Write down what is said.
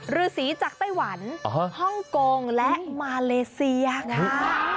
ฤษีจากไต้หวันฮ่องกงและมาเลเซียไง